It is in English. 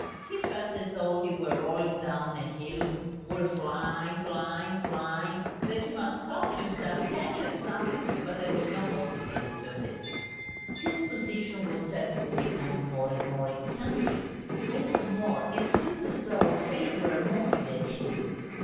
He felt as though he were rolling down a hill, were flying, flying, flying, that he must stop himself, catch at something, but there was no possibility of it. His position was certainly becoming more and more eccentric. What is more, it seemed as though fate were mocking at him.